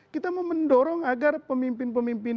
kita mau mendorong agar pemimpin pemimpin